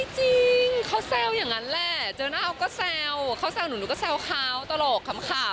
จริงเขาแซวอย่างนั้นแหละเจอหน้าเขาก็แซวเขาแซวหนูหนูก็แซวเขาตลกขำ